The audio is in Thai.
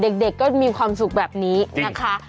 เด็กก็มีความสุขแบบนี้นะคะ